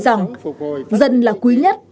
rằng dân là quý nhất